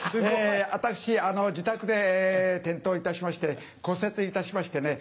私自宅で転倒いたしまして骨折いたしましてね。